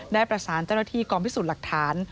ได้ประสานเจ้าหน้าที่กองพิสูจน์หลักฐาน